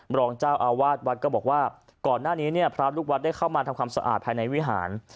รองเจ้าอาวาสวัดก็บอกว่าก่อนหน้านี้เนี่ยพระลูกวัดได้เข้ามาทำความสะอาดภายในวิหาร